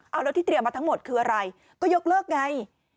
เอาแล้วที่เตรียมมาทั้งหมดคืออะไรก็ยกเลิกไง